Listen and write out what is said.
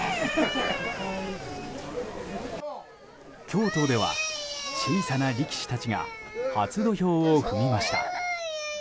京都では小さな力士たちが初土俵を踏みました。